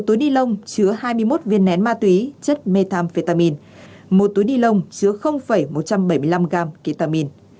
một túi ni lông chứa hai mươi một viên nén ma túy chất methamphetamine một túi ni lông chứa một trăm bảy mươi năm gam ketamine